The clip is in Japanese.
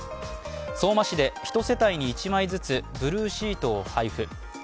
相馬市で１世帯に１枚ずつブルーシートを配布。